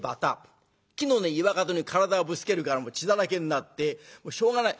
木の根岩角に体をぶつけるから血だらけになってしょうがない。